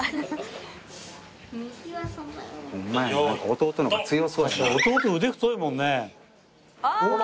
弟腕太いもんね。